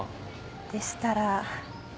でしたら。